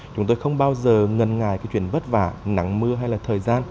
chúng tôi không bao giờ ngần ngại cái chuyện vất vả nắng mưa hay là thời gian